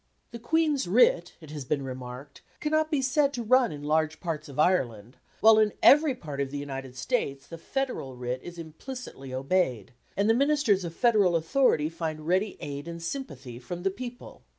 The Queen's writ, it has been remarked, cannot be said to run in large parts of Ireland, while in every part of the United States the Federal writ is implicitly obeyed, and the ministers of Federal authority find ready aid and sympathy from the people.